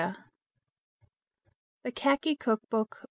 The Khaki Kook Book.